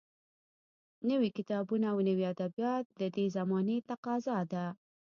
نوي کتابونه او نوي ادبیات د دې زمانې تقاضا ده